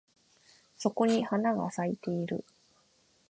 そこに花が咲いてる